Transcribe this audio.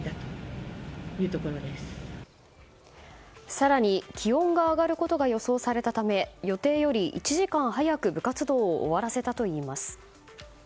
更に、気温が上がることが予想されたため予定より１時間早く部活動を終わらせたといいます。